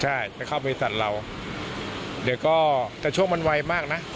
ใช่ไปเข้าบริษัทเราเดี๋ยวก็แต่ช่วงมันไวมากนะ